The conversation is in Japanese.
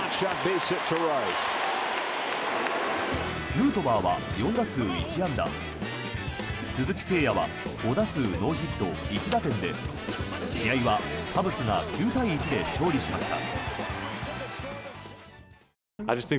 ヌートバーは４打数１安打鈴木誠也は５打数ノーヒット１打点で試合はカブスが９対１で勝利しました。